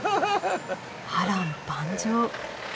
波乱万丈。